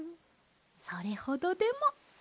それほどでも。